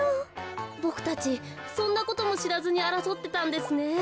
ボクたちそんなこともしらずにあらそってたんですね。